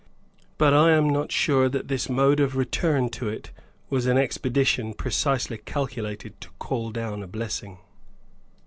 But I am not sure that this mode of return to it was an expedition precisely calculated to call down a blessing.